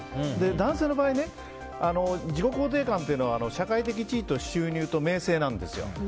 男性の場合自己肯定感は、社会的地位と収入と名声なんですよ。